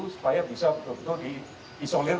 supaya bisa betul betul diisolir